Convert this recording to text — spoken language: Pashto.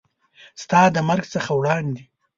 ستا د مرګ څخه وړاندې